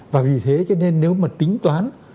và vì thế cho nên nếu mà tính toán